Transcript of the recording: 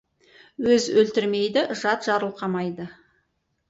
Өз өлтірмейді, жат жарылқамайды.